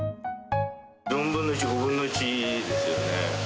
４分の１、５分の１ですよね。